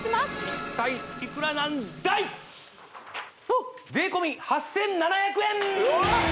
一体いくらなんだい税込８７００円